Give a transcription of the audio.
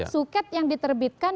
suket yang diterbitkan